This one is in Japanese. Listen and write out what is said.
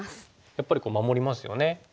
やっぱり守りますよね。